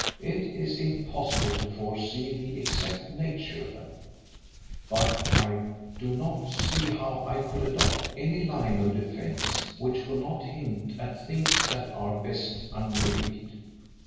It is impossible to foresee the exact nature of them, but I do not see how I could adopt any line of defence which would not hint at things that are best unrevealed.